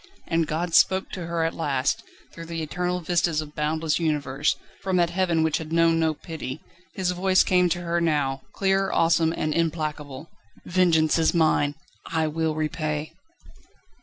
And God spoke to her at last; through the eternal vistas of boundless universe, from that heaven which had known no pity, His voice came to her now, clear, awesome, and implacable: "Vengeance is mine! I will repay!"